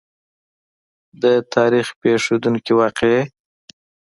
د تاریخ پېښېدونکې واقعې.